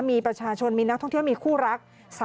มีประชาชนมีนักท่องเที่ยวมีคู่รัก